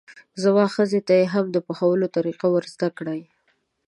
زما ښځې ته یې هم د پخولو طریقه ور زده کړئ.